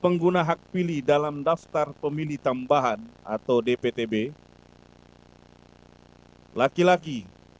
pengguna hak pilih dalam daftar pemilih tetap atau dptb laki laki satu tujuh lima enam tujuh enam satu